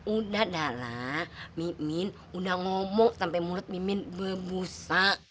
udah dalla mimin udah ngomong sampe mulut mimin berbusa